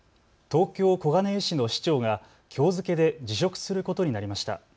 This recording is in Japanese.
東京小金井市の市長がきょう付けで辞職することになりました。